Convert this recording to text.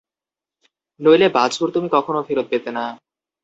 নইলে বাছুর তুমি কখনও ফেরত পেতে না।